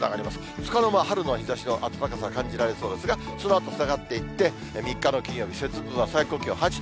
つかの間、春の日ざしの暖かさが感じられそうですが、そのあと下がっていって、３日の金曜日節分は最高気温８度。